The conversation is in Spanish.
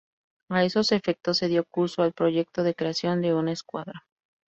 A esos efectos se dio curso al proyecto de creación de una escuadra.